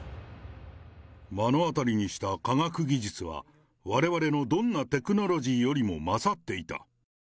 目の当たりにした科学技術は、われわれのどんなテクノロジーよりも勝っていた。